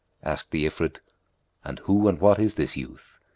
Asked the Ifrit, "And who and what is this youth?"